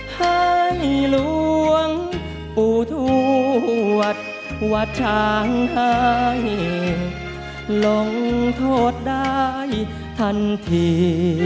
ให้หลวงปู่ทวดวัดช้างให้ลงโทษได้ทันที